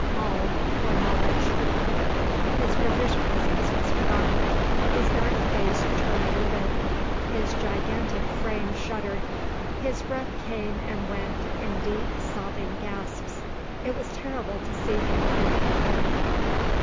all for Knowledge!" His brother's presence was forgotten. His dark face turned livid; his gigantic frame shuddered; his breath came and went in deep sobbing gasps it was terrible to see him and hear him.